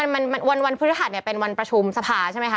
จริงวันพฤษฐรรดิ์เนี่ยเป็นวันประชุมสภาใช่ไหมคะ